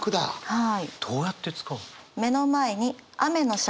はい。